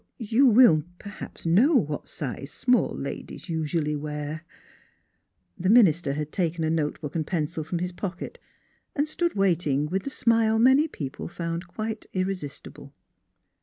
Er you will, perhaps, know what size small ladies usually wear." The minister had taken a notebook and pencil from his pocket and stood waiting with the smile many people found quite irresistible.